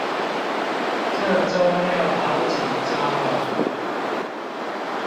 這週六好緊張喔